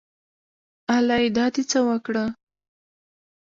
الۍ دا دې څه وکړه